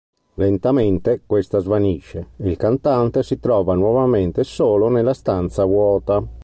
Lentamente, questa svanisce, e il cantante si trova nuovamente solo nella stanza vuota.